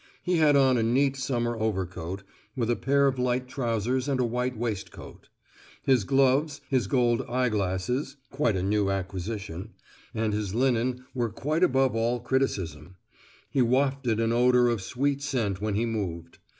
He had on a neat summer overcoat, with a pair of light trousers and a white waistcoat; his gloves, his gold eye glasses (quite a new acquisition), and his linen were quite above all criticism; he wafted an odour of sweet scent when he moved.